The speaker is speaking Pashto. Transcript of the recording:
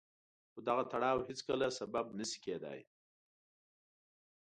خو دغه تړاو هېڅکله سبب نه شي کېدای.